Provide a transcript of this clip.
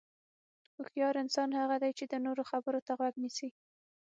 هوښیار انسان هغه دی چې د نورو خبرو ته غوږ نیسي.